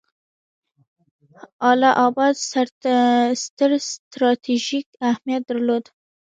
اله اباد ستر ستراتیژیک اهمیت درلود.